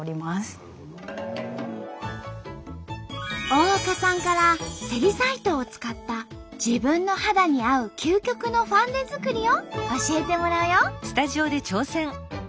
大岡さんからセリサイトを使った自分の肌に合う究極のファンデ作りを教えてもらうよ！